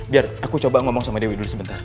biar aku coba ngomong sama dewi dulu sebentar